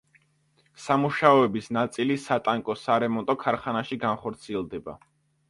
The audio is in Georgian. სამუშაოების ნაწილი სატანკო სარემონტო ქარხანაში განხორციელდება.